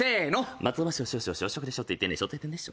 松尾芭蕉少々小食でしょって言ってんでしょってんでしょ。